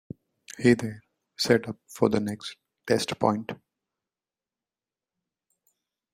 He then set up for the next test point.